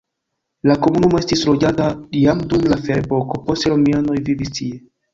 La komunumo estis loĝata jam dum la ferepoko, poste romianoj vivis tie.